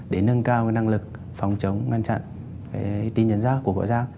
để nâng cao cái năng lực phòng chống ngăn chặn tin nhắn giác của quốc giác